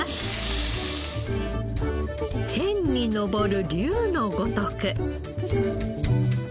天に昇る龍のごとく。